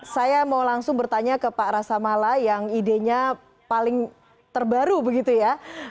saya mau langsung bertanya ke pak rasa mala yang idenya paling terbaru begitu ya